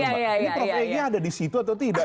ini profesinya ada di situ atau tidak